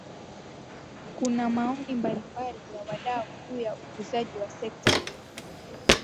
Kuna maoni mbalimbali ya wadau juu ya ukuzaji wa sekta hii